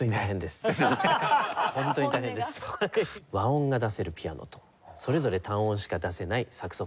和音が出せるピアノとそれぞれ単音しか出せないサクソフォンと。